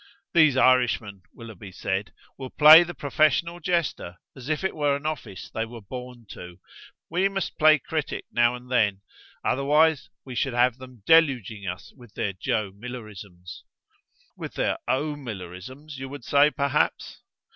"These Irishmen," Willoughby said, "will play the professional jester as if it were an office they were born to. We must play critic now and then, otherwise we should have them deluging us with their Joe Millerisms." "With their O'Millerisms you would say, perhaps?"